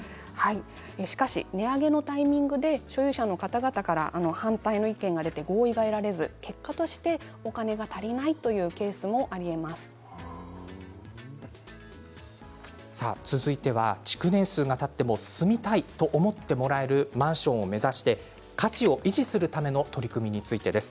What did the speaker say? しかし値上げのタイミングで所有者の方々から反対の意見が出て合意が得られず結果としてお金が足りないという続いては築年数がたっても住みたいと思ってもらえるマンションを目指して価値を維持するための取り組みについてです。